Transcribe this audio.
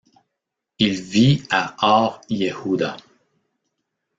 Il vit à Or Yehuda.